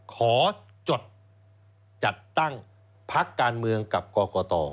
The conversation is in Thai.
ขอจดจัดตั้งพักการเมืองกับกรกต